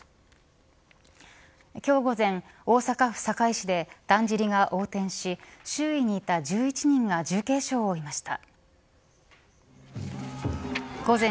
今日午前、大阪府堺市でだんじりが横転し、周囲にいた１１人が重軽傷を負いました。